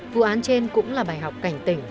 vụ án trên cũng là bài học cảnh tỉnh